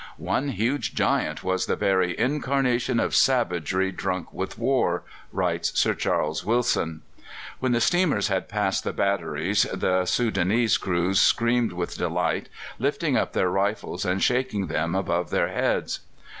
"One huge giant was the very incarnation of savagery drunk with war," writes Sir Charles Wilson. When the steamers had passed the batteries the Soudanese crews screamed with delight, lifting up their rifles and shaking them above their heads.